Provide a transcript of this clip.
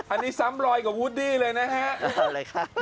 อันนี้ซ้ำรอยกับวูดดี้เลยนะฮะอะไรคะ